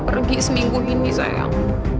pergi seminggu ini sayang